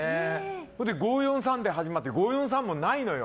それで５、４、３で始まって５、４、３もないのよ。